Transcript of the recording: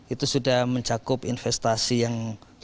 itu sudah mencakup investasi yang cukup besar